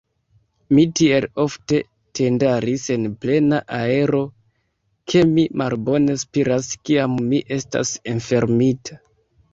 Mi tiel ofte tendaris en plena aero, ke mi malbone spiras, kiam mi estas enfermita.